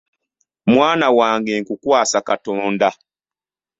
Mwana wange nkukwasa Katonda.